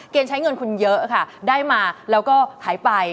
ใช้เงินคุณเยอะค่ะได้มาแล้วก็หายไป